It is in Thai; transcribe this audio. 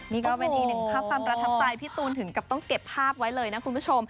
นี่ก็เป็นอีกหนึ่งภาพความประทับใจพี่ตูนถึงกับต้องเก็บภาพไว้เลยนะคุณผู้ชม